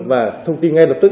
và thông tin ngay lập tức